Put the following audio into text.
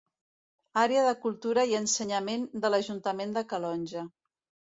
Àrea de Cultura i Ensenyament de l'Ajuntament de Calonge.